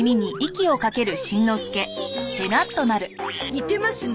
似てますな。